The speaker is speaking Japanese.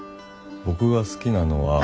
僕が好きなのは。